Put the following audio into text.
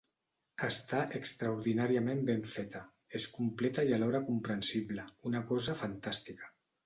Està extraordinàriament ben feta, és completa i alhora comprensible: una cosa fantàstica.